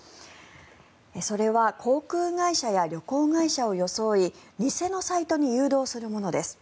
それは航空会社や旅行会社を装い偽のサイトに誘導するものです。